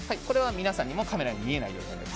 これは皆さんにもカメラに見えないように。